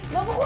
ih gak mau